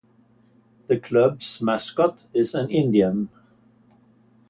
The club's mascot is an Indian.